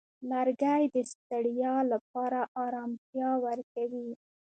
لرګی د ستړیا لپاره آرامتیا ورکوي.